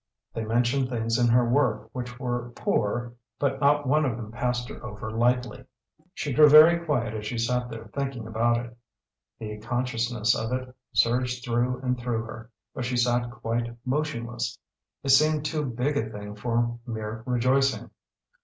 They mentioned things in her work which were poor but not one of them passed her over lightly! She grew very quiet as she sat there thinking about it. The consciousness of it surged through and through her, but she sat quite motionless. It seemed too big a thing for mere rejoicing.